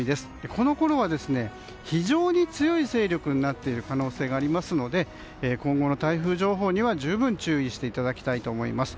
このころは、非常に強い勢力になっている可能性がありますので今後の台風情報には十分注意していただきたいと思います。